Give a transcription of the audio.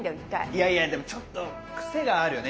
いやいやでもちょっとクセがあるよね